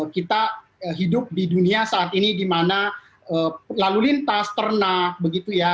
kita hidup di dunia saat ini di mana lalu lintas ternak begitu ya